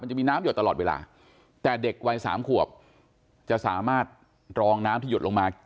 จะมีน้ำหยดตลอดเวลาแต่เด็กวัยสามขวบจะสามารถรองน้ำที่หยดลงมา